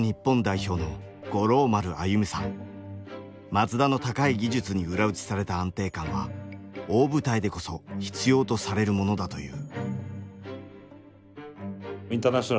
松田の高い技術に裏打ちされた安定感は大舞台でこそ必要とされるものだという。